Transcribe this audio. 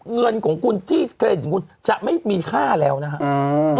เงินของคุณที่เครดิตของคุณจะไม่มีค่าแล้วนะครับ